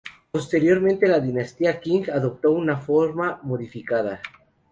Posteriormente la dinastía Qing adoptó una forma modificada.